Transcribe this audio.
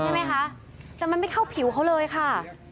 แต่มันไม่เข้าผิวเขาแล้ว